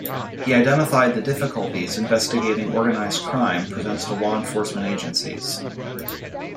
He identified the difficulties investigating organised crime presents to law enforcement agencies.